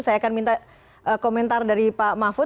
saya akan minta komentar dari pak mahfud